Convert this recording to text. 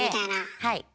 はい。